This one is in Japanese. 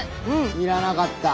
いらなかった。